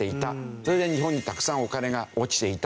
それで日本にたくさんお金が落ちていたという事になる。